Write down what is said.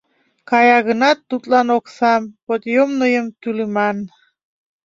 Кая гынат, тудлан оксам, подъёмныйым, тӱлыман.